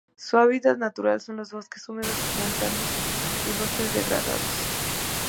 Su hábitat natural son los bosques húmedos montanos y bosques degradados.